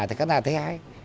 thì khán giả thấy hay